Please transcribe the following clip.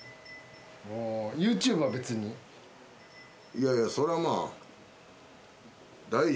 いやいやそれはまあ。